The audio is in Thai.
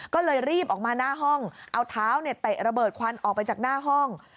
ก็เลยรีบออกมาหน้าห้องเอาเท้าเนี่ยเตะระเบิดควันออกไปจากหน้าห้อง